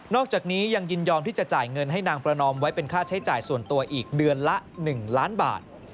อกจากนี้ยังยินยอมที่จะจ่ายเงินให้นางประนอมไว้เป็นค่าใช้จ่ายส่วนตัวอีกเดือนละ๑ล้านบาท